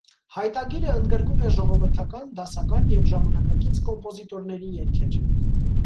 Հայտագիրը ընդգրկում է ժողովրդական, դասական և ժամանակակից կոմպոզիտորևերի երգեր։